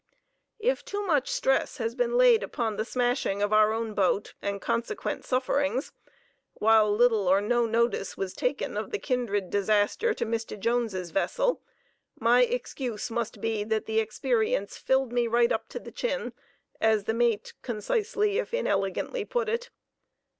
If ... too much stress has been laid upon the smashing of our own boat and consequent sufferings, while little or no notice was taken of the kindred disaster to Mistah Jones' vessel, my excuse must be that the experience "filled me right up to the chin," as the mate concisely, if inelegantly, put it.